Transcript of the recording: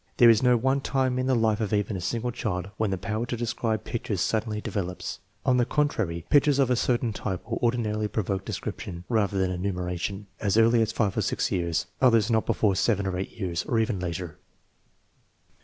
There is no one time in the life of even a single child when the power to describe pictures suddenly de velops. On the contrary, pictures of a certain type will ordinarily provoke description, rather than enumeration, as early as 5 or 6 years; others not before 7 or 8 years, or even later.